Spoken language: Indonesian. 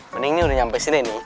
mending ini udah nyampe sini nih